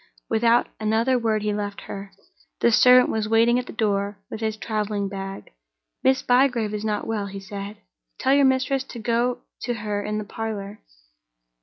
Without another word he left her. The servant was waiting at the door with his traveling bag. "Miss Bygrave is not well," he said. "Tell your mistress to go to her in the parlor."